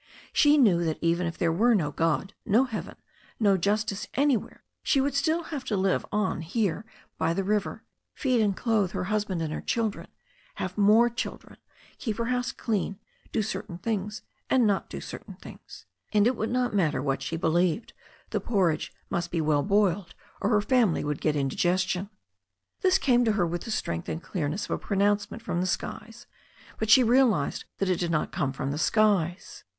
She knew that even if there were no God, no heaven, no justice any where, she would still have to live on here by the river, feed and clothe her husband and her children, have more children, keep her house clean, do certain things and not do certain things. And it would not matter what she believed, the por ridge must be well boiled, or her family would get indi gestion. This came to her with the strength and clearness of a pronouncement from the skies, but she realized that it did not come from the skies.